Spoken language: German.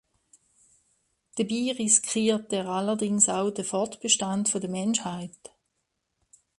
Dabei riskiert er allerdings auch den Fortbestand der Menschheit.